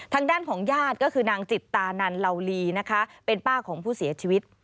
ทางด้านของญาติก็คือนางจิตตานันเหล่าลีนะคะเป็นป้าของผู้เสียชีวิต